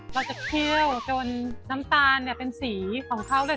จะเคี่ยวจนน้ำตาลเนี่ยเป็นสีของเขาเลย